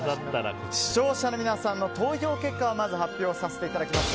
視聴者の皆さんの投票結果をまず発表させていただきます。